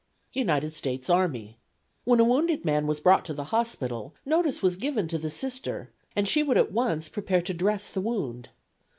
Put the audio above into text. United States Army. When a wounded man was brought to the hospital notice was given to the Sister and she would at once prepare to dress the wound.